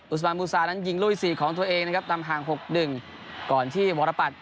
อุสมามูซานั้นยิงรุ่ยสี่ของตัวเองนะครับตามห่างหกหนึ่งก่อนที่วรปรัชน์